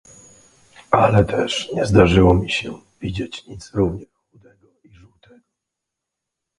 "Ale też nie zdarzyło mi się widzieć nic równie chudego i żółtego..."